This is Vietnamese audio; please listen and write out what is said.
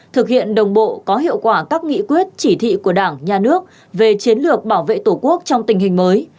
thực hiện đồng bộ có hiệu quả các nghị quyết chỉ thị của đảng nhà nước về chiến lược bảo vệ tổ quốc trong tình hình mới